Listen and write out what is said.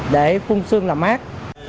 để phun xương làm mát